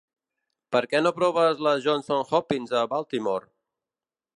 Per què no proves la Johns Hopkins a Baltimore?